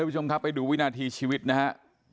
ทุกวันวินาทีชีวิตนะครับ